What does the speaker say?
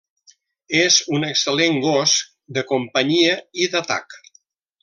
És un excel·lent gos de companyia i d'atac.